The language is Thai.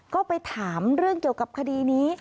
ก็ไปถามเรื่องเกี่ยวกับคดีนี้